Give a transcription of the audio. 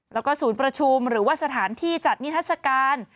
แล้วก็ศูนย์ประชุมหรือว่าสถานที่จัดนิทัศกาล